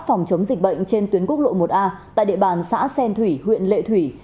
phòng chống dịch bệnh trên tuyến quốc lộ một a tại địa bàn xã xen thủy huyện lệ thủy